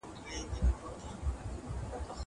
زه کتابتون ته نه ځم!!